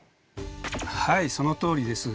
はいそのとおりです。